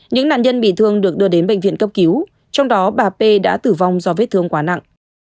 những nạn nhân bị thương được đưa đến bệnh viện cấp cứu trong đó bà p đã tử vong do vết thương quá nặng